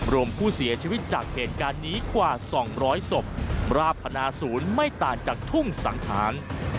รวมผู้เสียชีวิตจากเหตุการณ์นี้กว่า๒๐๐ศพราบพนาศูนย์ไม่ต่างจากทุ่งสังหาร